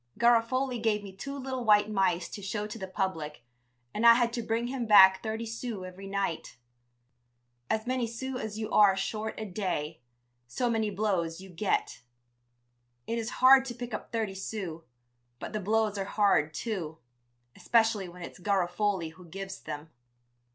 Garofoli gave me two little white mice to show to the public and I had to bring him back thirty sous every night. As many sous as you are short a day, so many blows you get. It is hard to pick up thirty sous, but the blows are hard, too, especially when it's Garofoli who gives them.